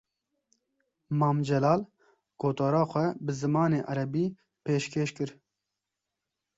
Mam Celal, gotara xwe bi zimanê Erebî pêşkêş kir